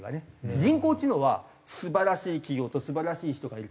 人工知能は素晴らしい企業と素晴らしい人がいるから。